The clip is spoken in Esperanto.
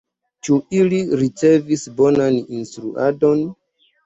Ĉu ili ricevis bonan instruadon?